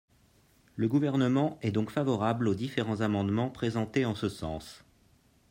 Le Gouvernement est donc favorable aux différents amendements présentés en ce sens.